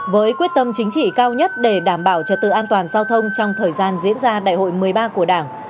với quyết tâm chính trị cao nhất để đảm bảo trật tự an toàn giao thông trong thời gian diễn ra đại hội một mươi ba của đảng